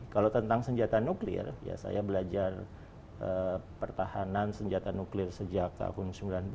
kalau tentang senjata nuklir ya saya belajar pertahanan senjata nuklir sejak tahun seribu sembilan ratus sembilan